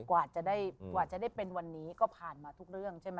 กว่าจะได้เป็นวันนี้ก็ผ่านมาทุกเรื่องใช่ไหม